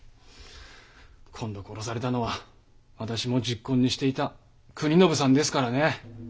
今度殺されたのは私も昵懇にしていた国宣さんですからね。